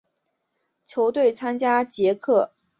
球队参加捷克足球甲级联赛的赛事。